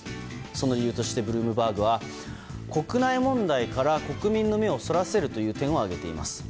その理由としてブルームバーグは国内問題から国民の目をそらせるという点を挙げています。